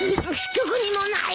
どこにもない。